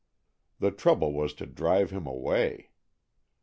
The trouble was to drive him away.